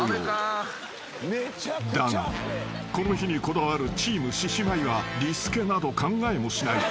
［だがこの日にこだわるチーム獅子舞はリスケなど考えもしない］